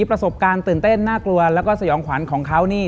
ประสบการณ์ตื่นเต้นน่ากลัวแล้วก็สยองขวัญของเขานี่